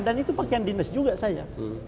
dan itu pakaian dinas juga saya